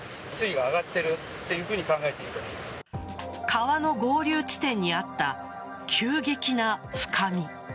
川の合流地点にあった急激な深み。